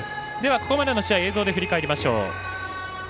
ここまでの試合映像で振り返ります。